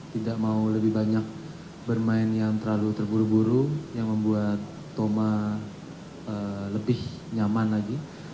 tidak mau lebih banyak bermain yang terlalu terburu buru yang membuat thoma lebih nyaman lagi